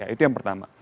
itu yang pertama